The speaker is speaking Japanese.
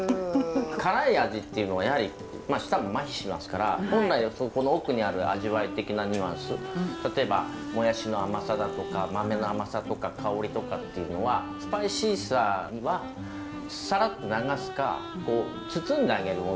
辛い味っていうのはやはり舌もまひしますから本来そこの奥にある味わい的なニュアンス例えばもやしの甘さだとか豆の甘さとか香りとかっていうのはスパイシーさにはさらっと流すか包んであげるものの方がいいんですよ。